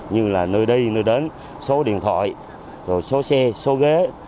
như là nơi đi nơi đến số điện thoại số xe số ghế